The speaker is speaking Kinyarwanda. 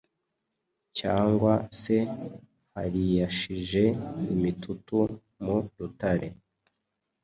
cyangwa se hariyashije imitutu mu rutare